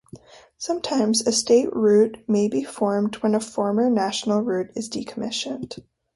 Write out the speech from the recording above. Sometimes a state route may be formed when a former national route is decommissioned.